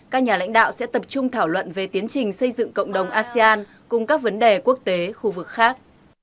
các nhà lãnh đạo sẽ tập trung thảo luận về tiến trình xây dựng cộng đồng asean cùng các vấn đề quốc tế khu vực khác